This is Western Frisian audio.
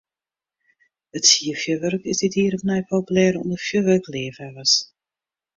It sierfjurwurk is dit jier opnij populêr ûnder fjurwurkleafhawwers.